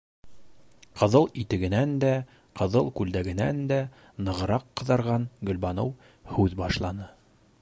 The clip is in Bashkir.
Ҡыҙыл итегенән дә, ҡыҙыл күлдәгенән дә нығыраҡ ҡыҙарған Гөлбаныу һүҙ башланы: